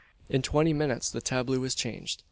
In twenty minutes the tableau was changed.